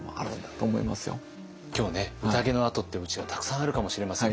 今日うたげのあとっていうおうちがたくさんあるかもしれません。